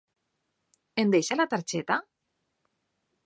Em deixa la targeta!?